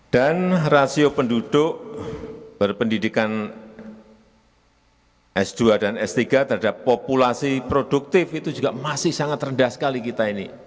dan rasio penduduk berpendidikan s dua dan s tiga terhadap populasi produktif itu juga masih sangat rendah sekali kita ini